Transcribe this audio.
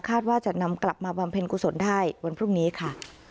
ว่าจะนำกลับมาบำเพ็ญกุศลได้วันพรุ่งนี้ค่ะ